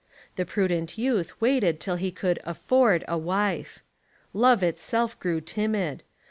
The prudent youth waited till he could "afford" a wife. Love itself grew timid.